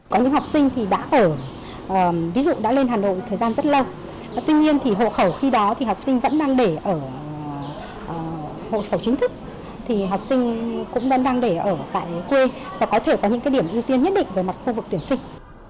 tuy nhiên thì hộ khẩu khi đó thì học sinh vẫn đang để ở hộ khẩu chính thức thì học sinh cũng đang để ở tại quê và có thể có những cái điểm ưu tiên nhất định về mặt khu vực tuyển sinh